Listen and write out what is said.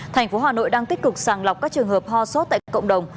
tp hcm đang tích cực sàng lọc các trường hợp hoa sốt tại cộng đồng